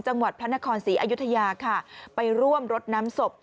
จังหวัดพระนครศรีอยุธยาค่ะไปร่วมรดน้ำศพ